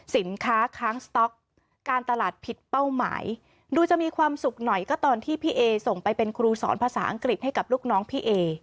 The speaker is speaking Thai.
สินค้าค้างสต๊อกการตลาดผิดเป้าหมายดูจะมีความสุขหน่อยก็ตอนที่พี่เอส่งไปเป็นครูสอนภาษาอังกฤษให้กับลูกน้องพี่เอ